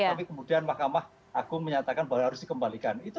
tapi kemudian mahkamah agung menyatakan bahwa harus dikembalikan